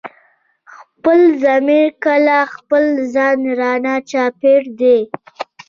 خپل ضمير لکه خپل ځان رانه چاپېر دی